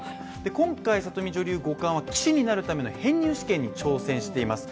今回、里見女流五冠は棋士になるための編入試験に挑戦しています。